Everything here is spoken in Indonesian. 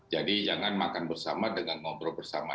jadi jangan makan bersama dengan ngobrol bersama